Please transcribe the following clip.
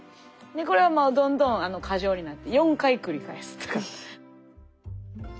これはもうどんどん過剰になって「四回くり返す」とか。